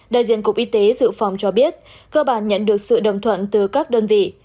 đại diện cục y tế dự phòng cho biết cơ bản nhận được sự đồng thuận từ các đơn vị